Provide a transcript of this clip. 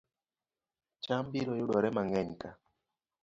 Cham biro yudore mang'eny ka